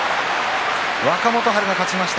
若元春が勝ちました